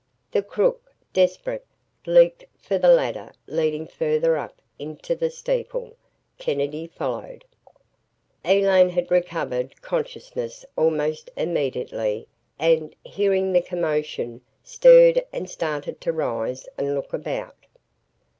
The crook, desperate, leaped for the ladder leading further up into the steeple. Kennedy followed. Elaine had recovered consciousness almost immediately and, hearing the commotion, stirred and started to rise and look about.